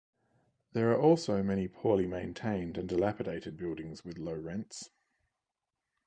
There are also many poorly maintained and dilapidated buildings with low rents.